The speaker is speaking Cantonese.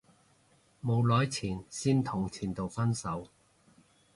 冇耐前先同前度分手